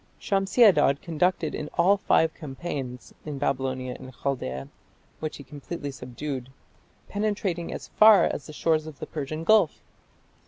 Shamshi Adad conducted in all five campaigns in Babylonia and Chaldaea, which he completely subdued, penetrating as far as the shores of the Persian Gulf.